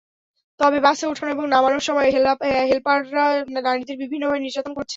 তবে বাসে ওঠানো এবং নামানোর সময় হেলপাররা নারীদের বিভিন্নভাবে নির্যাতন করছে।